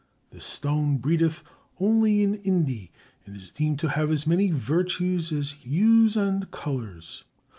This stone breedeth onely in Inde and is deemed to have as many virtues, as hiewes and colours.